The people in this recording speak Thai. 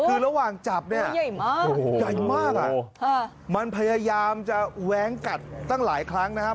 คือระหว่างจับเนี่ยใหญ่มากมันพยายามจะแว้งกัดตั้งหลายครั้งนะครับ